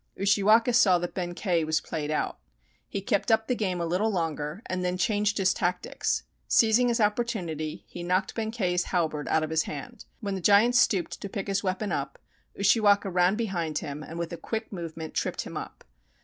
Ushiwaka saw that Benkei was played out. He kept up the game a little longer and then changed his tac tics. Seizing his opportunity, he knocked Benkei's halberd out of his hand. When the giant stooped to pick his weapon up, Ushiwaka ran behind him and with a quick movement tripped him up.